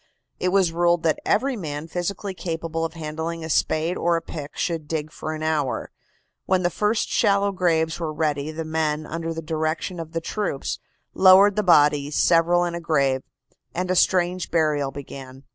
It was ruled that every man physically capable of handling a spade or a pick should dig for an hour. When the first shallow graves were ready the men, under the direction of the troops, lowered the bodies, several in a grave, and a strange burial began.